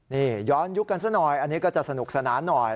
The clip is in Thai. นี่ย้อนยุคกันซะหน่อยอันนี้ก็จะสนุกสนานหน่อย